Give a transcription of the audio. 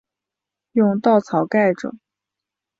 用稻草盖著